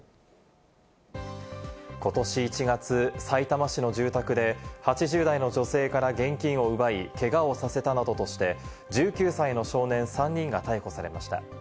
ことし１月、さいたま市の住宅で８０代の女性から現金を奪い、けがをさせたなどとして１９歳の少年３人が逮捕されました。